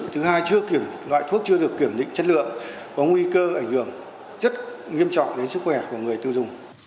thứ hai chưa kiểm loại thuốc chưa được kiểm định chất lượng có nguy cơ ảnh hưởng rất nghiêm trọng đến sức khỏe của người tiêu dùng